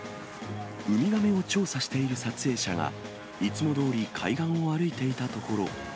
ウミガメを調査している撮影者が、いつもどおり海岸を歩いていたところ。